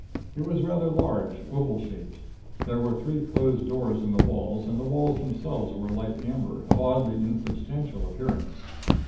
It was rather large, oval shaped. There were three closed doors in the walls, and the walls themselves were light amber, of oddly insubstantial appearance.